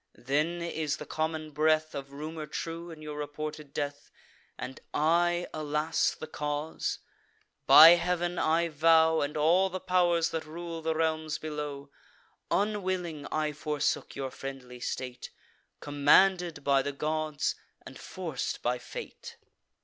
then is the common breath Of rumour true, in your reported death, And I, alas! the cause? By Heav'n, I vow, And all the pow'rs that rule the realms below, Unwilling I forsook your friendly state, Commanded by the gods, and forc'd by fate.